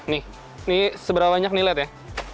nih ini seberapa banyak nih lihat ya